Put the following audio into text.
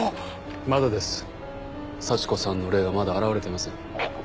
まだです幸子さんの霊がまだ現れていません。